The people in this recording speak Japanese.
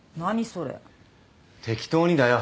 それ適当にだよ